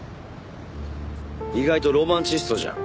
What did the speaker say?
意外とロマンチストじゃん。